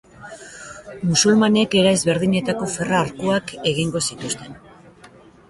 Musulmanek era ezberdinetako ferra arkuak egingo zituzten.